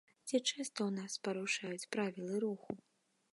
Ці часта ў нас парушаюць правілы руху?